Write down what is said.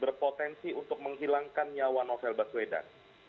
berpotensi untuk menghilangkan nyawa novel baswedan